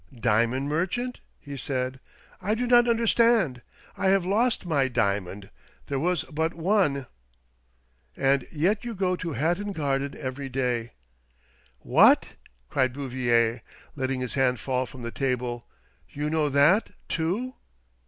"Diamond mer chant?" he said. "I do not understand. I have lost my diamond — there was but one." 122 THE DOBBINGTON DEED BOX " And yet you go to Hatton Garden every day." "What !" cried Bouvier, letting his hand fall from the table, " you know that too